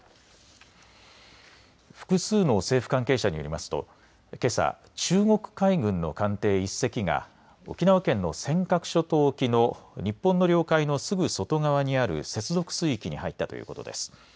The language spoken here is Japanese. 複数の政府関係者によりますとけさ、中国海軍の艦艇１隻が沖縄県の尖閣諸島沖の日本の領海のすぐ外側にある接続水域に入ったということです。